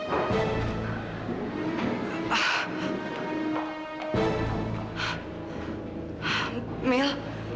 ya makasih ya pak